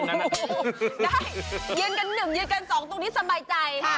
ได้เยืนกัน๑ยืนกัน๒ตรงที่สบายใจ